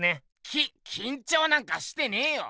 ききんちょうなんかしてねえよ。